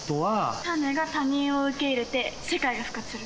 タネが他人を受け入れて世界が復活する。